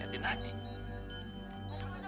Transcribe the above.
masuk masuk masuk